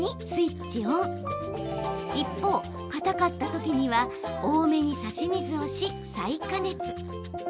一方かたかったときには多めに差し水をし再加熱。